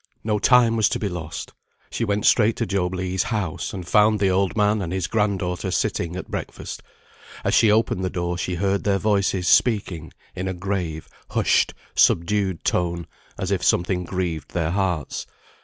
No time was to be lost. She went straight to Job Legh's house, and found the old man and his grand daughter sitting at breakfast; as she opened the door she heard their voices speaking in a grave, hushed, subdued tone, as if something grieved their hearts.